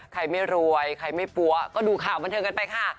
ใครไม่รวยใครไม่ปั๊วก็ดูข่าวบันเทิงกันไปค่ะ